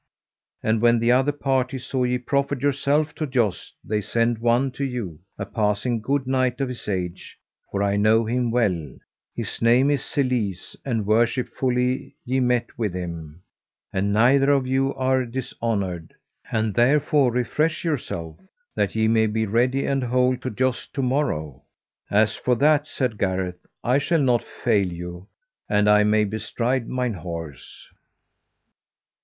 And when the other party saw ye proffered yourself to joust they sent one to you, a passing good knight of his age, for I know him well, his name is Selises; and worshipfully ye met with him, and neither of you are dishonoured, and therefore refresh yourself that ye may be ready and whole to joust to morrow. As for that, said Gareth, I shall not fail you an I may bestride mine horse.